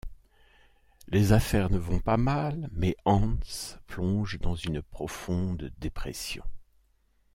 Les affaires ne vont pas mal, mais Hans plonge dans une profonde dépression.